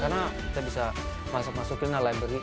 karena kita bisa masuk masukin lah library